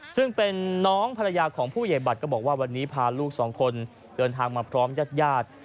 ซึ่งเป็นน้องภรรยาของผู้ใหญ่บัตรก็บอกว่าวันนี้พาลูกสองคนเดินทางมาพร้อมญาติญาติ